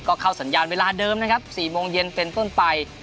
ก็เข้าสัญญาณเวลาเดิมนะครับ๔โมงเย็นเป็นต้นไป